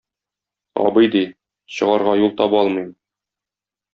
Абый, ди, чыгарга юл таба алмыйм.